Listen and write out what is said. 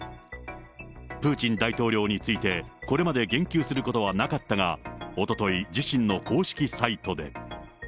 プーチン大統領について、これまで言及することはなかったが、おととい、自身の公式サイトで。